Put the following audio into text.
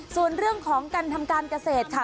ส่วนเรื่องของการทำการเกษตรค่ะ